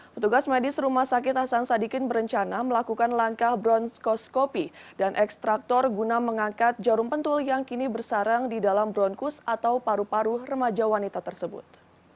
petugas medis rumah sakit hasan sadikin berencana melakukan langkah bronskoskopi dan ekstraktor guna mengangkat jarum pentul yang kini bersarang di dalam bronkus atau paru paru remaja wanita tersebut